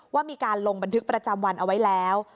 ว่ามีการลงบันทึกประจำวันเอาไว้แล้ว